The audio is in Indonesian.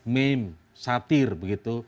meme satir begitu